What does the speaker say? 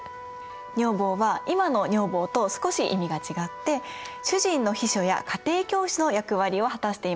女房は今の女房と少し意味が違って主人の秘書や家庭教師の役割を果たしていました。